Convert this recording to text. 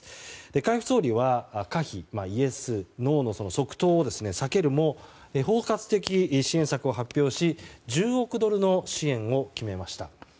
海部総理は、可否イエス・ノーの即答を避けるも包括的支援策を発表し１０億ドルの支援を決めました。